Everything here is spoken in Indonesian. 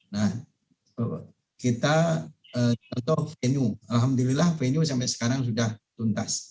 nah kita contoh venue alhamdulillah venue sampai sekarang sudah tuntas